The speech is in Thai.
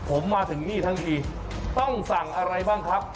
ผมมาถึงนี่ทั้งทีต้องสั่งอะไรบ้างครับ